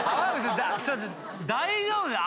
大丈夫？